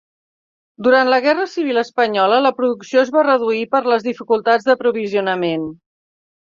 Durant la guerra civil espanyola, la producció es va reduir per les dificultats d'aprovisionament.